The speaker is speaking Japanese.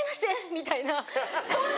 みたいな。